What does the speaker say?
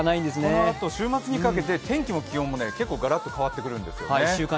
このあと週末にかけて天気も気温もガラッと変わってくるんですよね。